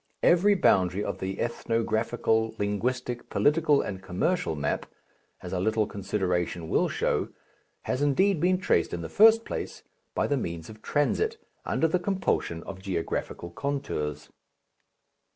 Every boundary of the ethnographical, linguistic, political, and commercial map as a little consideration will show has indeed been traced in the first place by the means of transit, under the compulsion of geographical contours.